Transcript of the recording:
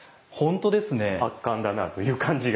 圧巻だなという感じが。